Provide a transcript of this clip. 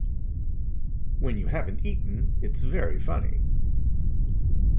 When you haven't eaten, it's very funny.